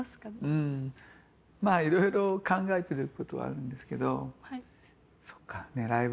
まあいろいろ考えてる事はあるんですけど。